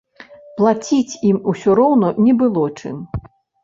Плаціць ім усё роўна не было чым.